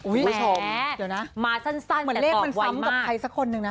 เหมือนเลขมันซ้ำกับใครสักคนหนึ่งนะ